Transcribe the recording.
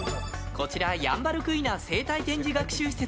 こちらヤンバルクイナ生態学習施設